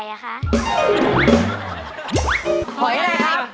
ถอยอะไรครับ